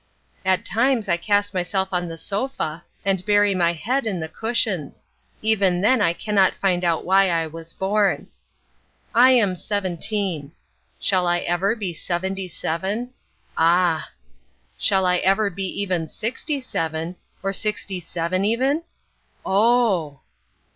At times I cast myself on the sofa and bury my head in the cushions. Even then I cannot find out why I was born. I am seventeen. Shall I ever be seventy seven? Ah! Shall I ever be even sixty seven, or sixty seven even? Oh!